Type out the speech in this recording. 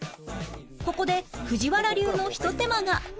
ここで藤原流のひと手間が